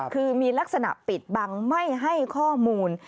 คือมีลักษณะปิดบังไม่ให้ข้อมูล